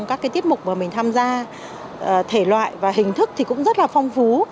các cái tiết mục mà mình tham gia thể loại và hình thức thì cũng rất là phong phú